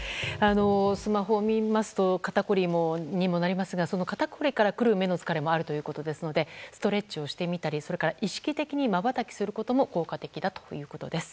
スマホを見ますと肩こりにもなりますがその肩こりからくる目の疲れもあるということですのでストレッチをしてみたり意識的にまばたきすることも効果的だということです。